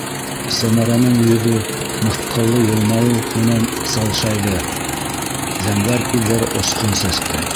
Сәмәрәнең йөҙө мыҫҡыллы йылмайыу менән салшайҙы, зәңгәр күҙҙәре осҡон сәсте: